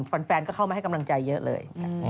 แฟนก็เข้ามาให้กำลังใจเยอะเลย